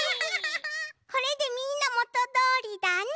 これでみんなもとどおりだね。